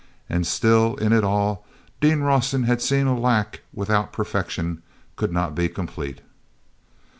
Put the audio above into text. And still, in it all, Dean Rawson had seen a lack without which perfection could not be complete.